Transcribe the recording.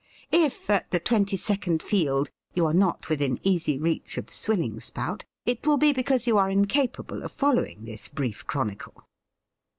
If, at the twenty second field, you are not within easy reach of Swillingspout it will be because you are incapable of following this brief chronicle.